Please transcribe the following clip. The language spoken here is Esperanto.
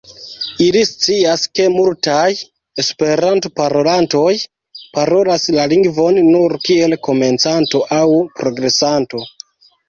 Ili scias ke multaj Esperanto-parolantoj parolas la lingvon nur kiel komencanto aŭ progresanto.